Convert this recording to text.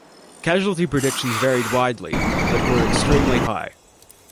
Casualty predictions varied widely, but were extremely high.